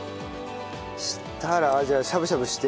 そしたらじゃあしゃぶしゃぶして。